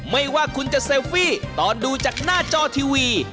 ไม่ว่าคุณจะเซลฟี่ตอนดูจากหน้าจอทีวี